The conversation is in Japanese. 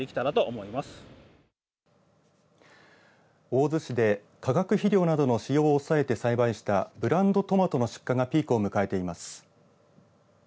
大洲市で化学肥料などの使用を抑えて栽培したブランドトマトの出荷がピークを迎えています。